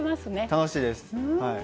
楽しいですはい。